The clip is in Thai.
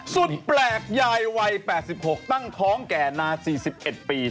สุดแปลกยายวัย๘๖ตั้งท้องแก่นา๔๑ปี